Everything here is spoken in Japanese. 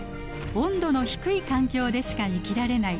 温度の低い環境でしか生きられない